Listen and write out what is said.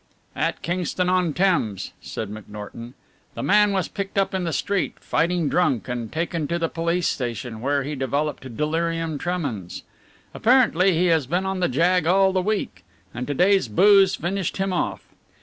"At Kingston on Thames," said McNorton "the man was picked up in the street, fighting drunk, and taken to the police station, where he developed delirium tremens. Apparently he has been on the jag all the week, and to day's booze finished him off.